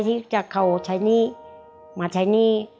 ที่เขาใช้หนี้มาใช้หนี้